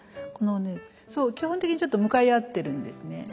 このねそう基本的にちょっと向かい合ってるんですね。